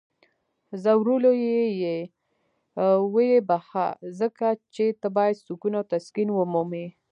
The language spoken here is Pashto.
ځورولی یی یې؟ ویې بخښه. ځکه چی ته باید سکون او تسکین ومومې!